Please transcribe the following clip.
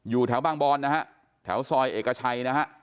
อยู่แถวบางบอนนะฮะแถวซอยเอกชัยนะฮะ